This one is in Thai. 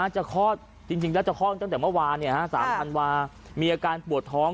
คลอดจริงแล้วจะคลอดตั้งแต่เมื่อวาน๓ธันวามีอาการปวดท้อง